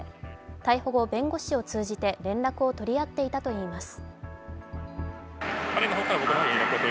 逮捕後、弁護士を通じて連絡を取り合っていたということです。